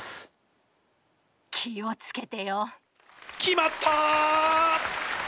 気を付けてよ。決まった！